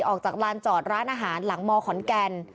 ออกจากลานจอดร้านอาหารหลังมขอนแก่น